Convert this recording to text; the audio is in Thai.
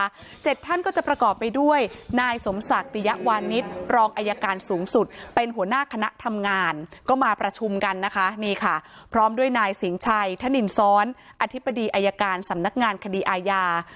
เจ็ดท่านก็จะประกอบไปด้วยนายสมศักดิ์ติยวานิดรองอายการสูงสุดเป็นหัวหน้าคณะทำงานก็มาประชุมกันนะคะนี่ค่ะพร้อมด้วยนายสิงชัยธนินซ้อนอธิบดีอายการสำนักงานคดีอาญา